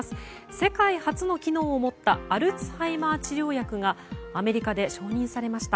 世界初の機能を持ったアルツハイマー治療薬がアメリカで承認されました。